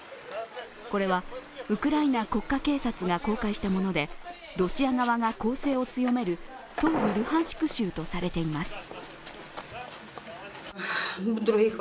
これはウクライナ国家警察が公開したものでロシア側が攻勢を強める東部ルハンシク州とされています。